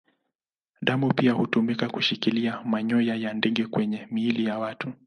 Damu pia hutumika kushikilia manyoya ya ndege kwenye miili ya watu.